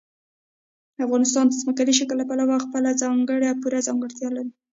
افغانستان د ځمکني شکل له پلوه خپله ځانګړې او پوره ځانګړتیا لري.